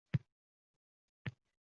U yerto‘ladan sudrab chiqa boshladi.